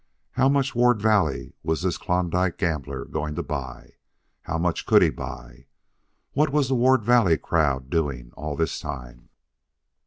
How much Ward Valley was this Klondike gambler going to buy? How much could he buy? What was the Ward Valley crowd doing all this time?